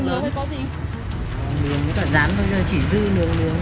nướng với cả rán thôi chỉ dư nướng